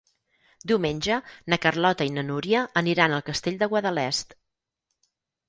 Diumenge na Carlota i na Núria aniran al Castell de Guadalest.